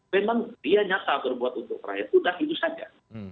memang dia nyata berbuat untuk rakyat sudah itu saja